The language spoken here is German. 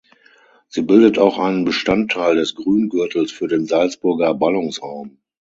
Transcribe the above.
Sie bildet auch einen Bestandteil des Grüngürtels für den Salzburger Ballungsraum.